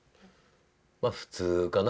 まあ普通かな。